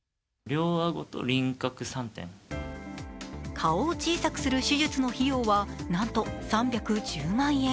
顔を小さくする手術の費用はなんと３１０万円。